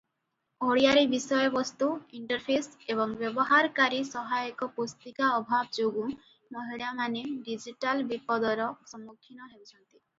ଓଡ଼ିଆରେ ବିଷୟବସ୍ତୁ, ଇଣ୍ଟରଫେସ ଏବଂ ବ୍ୟବହାରକାରୀ ସହାୟକ ପୁସ୍ତିକା ଅଭାବ ଯୋଗୁଁ ମହିଳାମାନେ ଡିଜିଟାଲ ବିପଦର ସମ୍ମୁଖୀନ ହେଉଛନ୍ତି ।